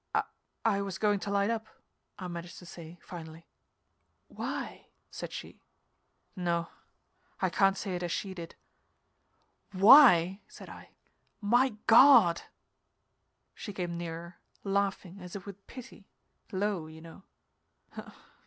"I I was going to light up," I managed to say, finally. "Why?" said she. No, I can't say it as she did. "Why?" said I. "My God!" She came nearer, laughing, as if with pity, low, you know.